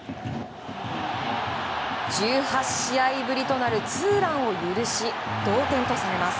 １８試合ぶりとなるツーランを許し同点とされます。